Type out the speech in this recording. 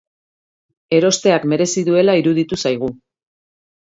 Erosteak merezi duela iruditu zaigu.